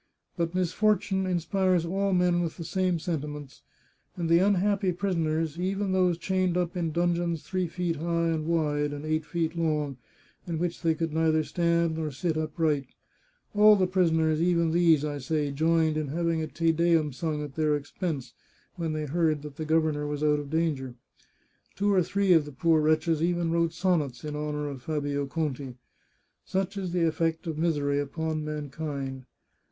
But misfortune inspires all men with the same sentiments, and the unhappy prisoners, even those chained up in dungeons three feet high and wide, and eight feet long, in which they could neither stand nor sit upright — all the prisoners, even these, I say, joined in having a Te Deum sung at their expense, when they heard that the gov ernor was out of danger. Two or three of the poor wretches even wrote sonnets in honour of Fabio Conti. Such is the effect of misery upon mankind.